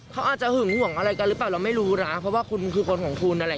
เขาอาจจะหึงห่วงอะไรกันหรือเปล่าเราไม่รู้นะเพราะว่าคุณคือคนของคุณนั่นแหละ